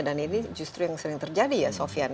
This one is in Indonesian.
dan ini justru yang sering terjadi ya sofyan